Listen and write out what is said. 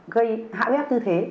gây hạ huyết áp tư thế